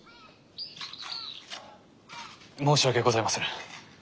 申し訳ございませぬ。